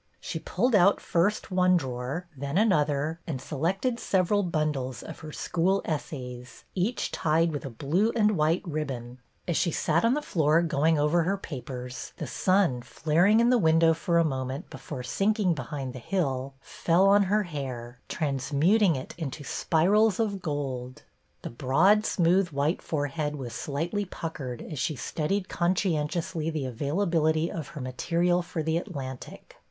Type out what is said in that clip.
She pulled out first one drawer, then another, and selected several bundles of her school essays, each tied with a blue and white ribbon. As she sat on the floor, going over her papers, the sun, flaring in the window for a moment be fore sinking behind the hill, fell on her hair, transmuting it into spirals of gold. The broad, smooth white forehead was slightly puckered as she studied conscientiously the availability of her material for The Atlantic.